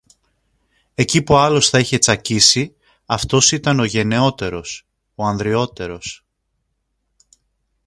Εκεί που άλλος θα είχε τσακίσει, αυτός ήταν ο γενναιότερος, ο ανδρειότερος